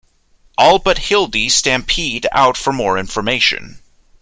All but Hildy stampede out for more information.